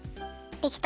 できた。